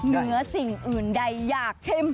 เหนือสิ่งอื่นใดอยากเข้ม